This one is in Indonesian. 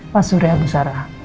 pak surya bu sarah